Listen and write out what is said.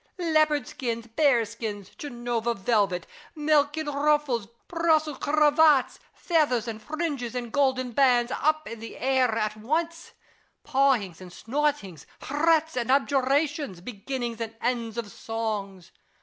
Leopard skins, bear skins, Genoa velvet, Mechlin ruffles, Brussels cravats, feathers and fringes and golden bands, up in the air at once ; pawings and snortings, threats and adjurations, beginnings and ends of songs.